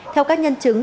theo các nhân chứng